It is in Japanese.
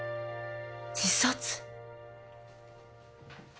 自殺！？